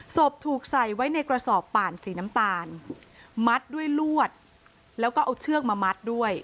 ถูกใส่ไว้ในกระสอบป่านสีน้ำตาลมัดด้วยลวดแล้วก็เอาเชือกมามัดด้วย